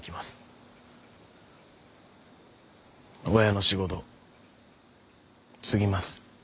親の仕事継ぎます。